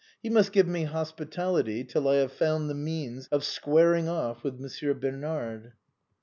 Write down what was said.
He must give me hospitality till I have found the means of squaring off with Monsieur Bernard."